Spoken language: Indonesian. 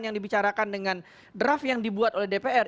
yang dibicarakan dengan draft yang dibuat oleh dpr